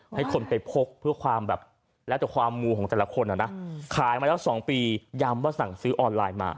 ให้คนไปพกเพื่อความแบบแล้วแต่ความมูของแต่ละคนอ่ะนะขายมาแล้ว๒ปีย้ำว่าสั่งซื้อออนไลน์มา